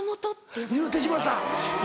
言うてしまった。